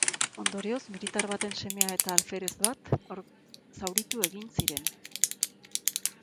Ondorioz, militar baten semea eta alferez bat zauritu egin ziren.